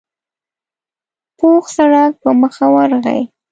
پوخ سړک په مخه ورغی.